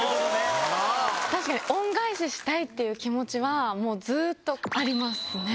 確かに、恩返ししたいっていう気持ちは、もうずーっとありますね。